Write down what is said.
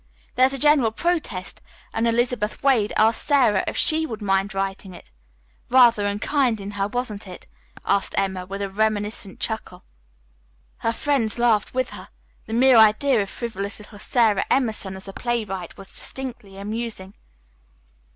There was a general protest, and Elizabeth Wade asked Sara if she would mind writing it. Rather unkind in her, wasn't it?" asked Emma, with a reminiscent chuckle. Her friends laughed with her. The mere idea of frivolous little Sara Emerson as a playwright was distinctly amusing.